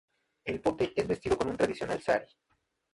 El pote es vestido con un tradicional sari.